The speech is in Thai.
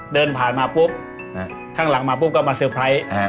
เดินผ่านมาปุ๊บข้างหลังมาปุ๊บก็มาเซอร์ไพรส์